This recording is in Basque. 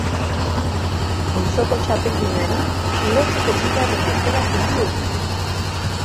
Multzoko txapeldunari, igotzeko bigarren aukera kendu egin dio.